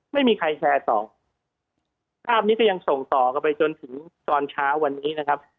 ไม่มีใครแชร์ต่อภาพนี้ก็ยังส่งต่อกันไปจนถึงตอนเช้าวันนี้นะครับ